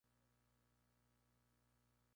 Dispone de todos los servicios turísticos.